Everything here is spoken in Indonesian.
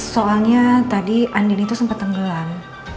soalnya tadi andin itu sempat tenggelam